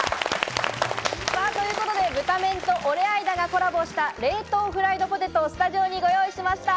ブタメンとオレアイダがコラボした冷凍フライドポテトをスタジオにご用意しました。